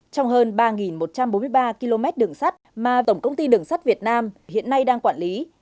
trong hơn ba một trăm bốn mươi ba km đường sắt mà tổng công ty đường sắt việt nam hiện nay đang quản lý